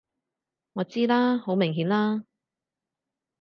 我知啦！好明顯啦！